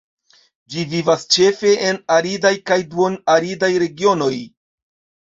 Ĝi vivas ĉefe en aridaj kaj duon-aridaj regionoj.